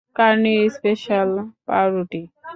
কার্নির special পাউরুটি!